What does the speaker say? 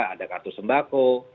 ada kartu sembako